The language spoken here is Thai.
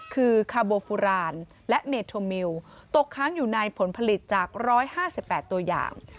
คือคาโบฟูรานและเมโทมิวตกค้างอยู่ในผลผลิตจาก๑๕๘ตัวอย่าง